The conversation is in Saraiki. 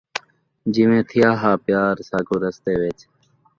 جیویں تھیا ہا پیار ساکوں رستے وچ